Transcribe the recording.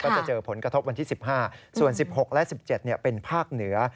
จะเจอผลกระทบวันที่๑๕ส่วน๑๖และ๑๗เป็นภาคเหนือ